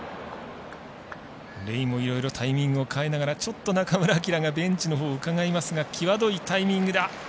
レイもいろいろタイミングを変えながらちょっと中村晃がベンチのほうをうかがいますが際どいタイミング。